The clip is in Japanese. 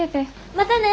またね。